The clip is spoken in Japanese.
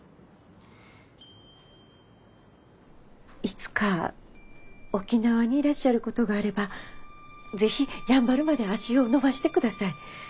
いつか沖縄にいらっしゃることがあれば是非やんばるまで足を延ばしてください。